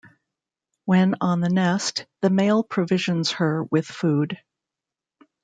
When on the nest, the male provisions her with food.